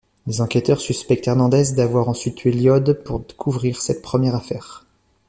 Les enquêteurs suspectent Hernandez d'avoir ensuite tué Lloyd pour couvrir cette première affaire.